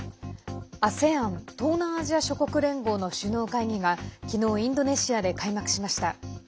ＡＳＥＡＮ＝東南アジア諸国連合の首脳会議が昨日、インドネシアで開幕しました。